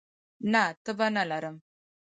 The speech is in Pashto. نه، تبه نه لرم